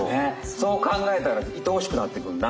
そうかんがえたらいとおしくなってくるな。